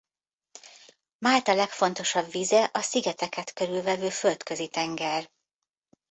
Málta legfontosabb vize a szigeteket körülvevő Földközi-tenger.